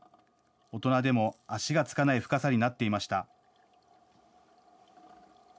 大人でも足がつかない深さになっていました。